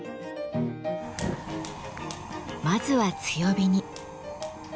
まずは強火に。